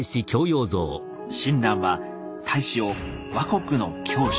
親鸞は太子を「和国の教主」